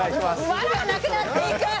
藁がなくなっていく！